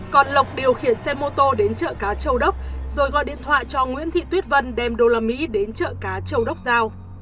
còn lộc điều khiển xe mô tô đến chợ cá châu đốc rồi gọi điện thoại cho nguyễn thị tuyết vân đem đô la mỹ đến chợ cá châu đốc giao